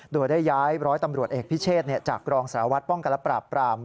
โดยได้ย้าย๑๐๐ตำรวจเอกพิเศษจากกรองสลาวัฒน์ปล่องกันและปราบปราบ